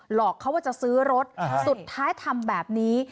หลอกเขาว่าจะซื้อรถสุดท้ายทำแบบนี้